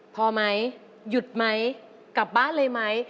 พอไหมหยุดไหมกลับบ้านเลยไหม